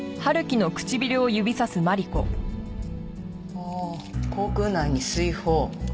ああ口腔内に水疱。